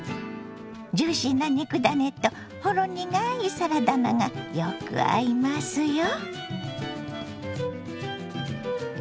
ジューシーな肉ダネとほろ苦いサラダ菜がよく合いますよ。